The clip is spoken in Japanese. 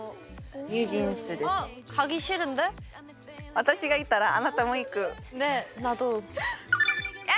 私が行ったらあなたも行く。